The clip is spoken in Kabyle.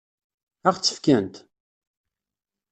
Ad ɣ-tt-fkent?